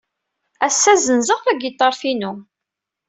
Ass-a, ssenzeɣ tagiṭart-inu.